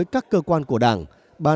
của tổ chức ấn độ